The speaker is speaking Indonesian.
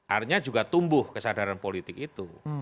artinya juga tumbuh kesadaran politik itu